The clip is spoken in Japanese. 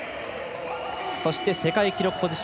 そして世界記録保持者。